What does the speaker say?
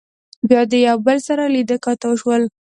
بيا د يو بل سره لیدۀ کاتۀ وشول